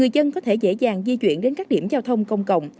cụ thể đề án di chuyển đến các điểm giao thông công cộng